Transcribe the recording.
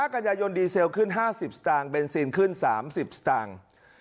กันยายนดีเซลขึ้น๕๐สตางค์เบนซีนขึ้น๓๐สตางค์